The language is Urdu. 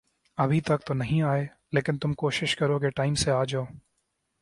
ابھی تک تو نہیں آئے، لیکن تم کوشش کرو کے ٹائم سے آ جاؤ۔